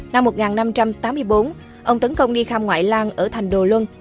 năm một nghìn năm trăm tám mươi bốn ông tấn công ni kham ngoại lan ở thành đồ luân